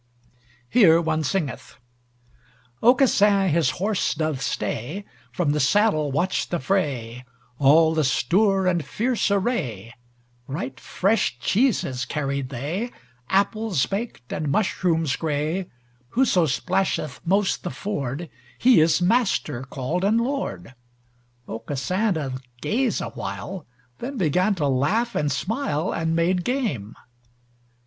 Here one singeth: Aucassin his horse doth stay, From the saddle watched the fray, All the stour and fierce array; Right fresh cheeses carried they, Apples baked, and mushrooms grey, Whoso splasheth most the ford He is master called and lord. Aucassin doth gaze awhile, Then began to laugh and smile And made game.